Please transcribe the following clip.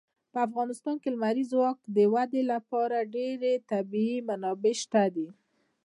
په افغانستان کې د لمریز ځواک د ودې لپاره ډېرې طبیعي منابع شته دي.